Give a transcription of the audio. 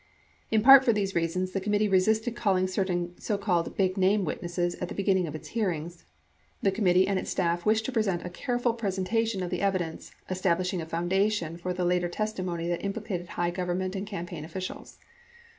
In part for these reasons, the committee resisted calling certain so called "big name" witnesses at the beginning of its hearings. The com mittee and staff wished to present a careful presentation of the evi dence, establishing a foundation for the later testimony that impli cated high Government and campaign officials.